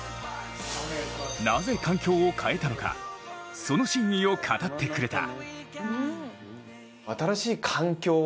なぜ環境を変えたのかその真意を語ってくれた。